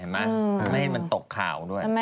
ไม่มันตกข่าวด้วย